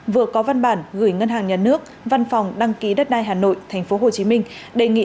vừa có văn bản gửi ngân hàng nhà nước văn phòng đăng ký đất đai hà nội tp hcm đề nghị